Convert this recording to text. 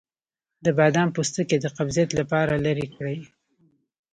د بادام پوستکی د قبضیت لپاره لرې کړئ